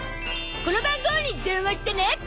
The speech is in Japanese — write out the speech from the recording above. この番号に電話してね！